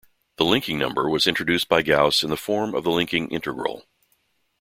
The linking number was introduced by Gauss in the form of the linking integral.